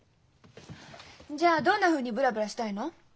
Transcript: じゃあどんなふうにブラブラしたいの？